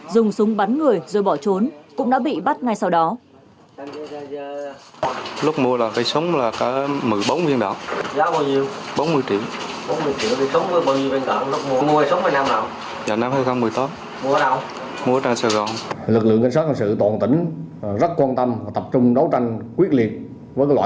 dùng súng bắn người rồi bỏ trốn cũng đã bị bắt ngay sau đó